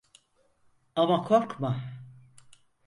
Ama korkma.